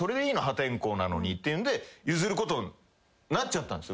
破天荒なのにっていうんで譲ることになっちゃったんですよね。